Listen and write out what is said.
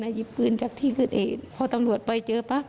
อาจรับปืนจากที่ดึกเองพอตำรวจไปเจอพักเนี่ย